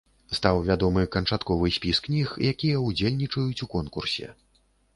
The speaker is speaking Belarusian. Стаў вядомы канчатковы спіс кніг, якія ўдзельнічаюць у конкурсе.